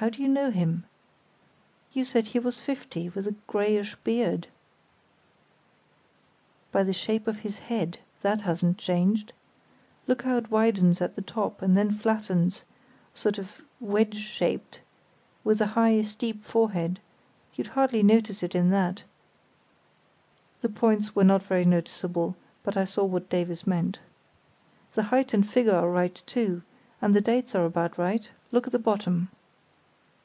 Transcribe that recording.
"How do you know him? You said he was fifty, with a greyish beard." "By the shape of his head; that hasn't changed. Look how it widens at the top, and then flattens—sort of wedge shaped—with a high, steep forehead; you'd hardly notice it in that" (the points were not very noticeable, but I saw what Davies meant). "The height and figure are right, too; and the dates are about right. Look at the bottom."